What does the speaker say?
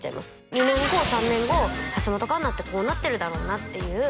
２年後３年後橋本環奈ってこうなってるだろうなっていう